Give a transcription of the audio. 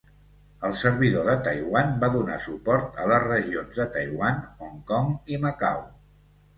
El servidor de Taiwan va donar suport a les regions de Taiwan, Hong Kong i Macau.